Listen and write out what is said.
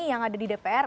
yang ada di dpr